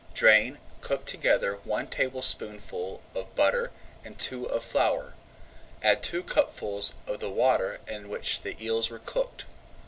Drain, cook together one tablespoonful of butter and two of flour. Add two cupfuls of the water in which the eels were cooked.